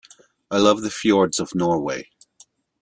I love the fjords of Norway.